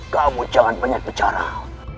kamu jangan banyak berjarah